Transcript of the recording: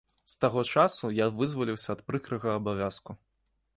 З таго часу я вызваліўся ад прыкрага абавязку.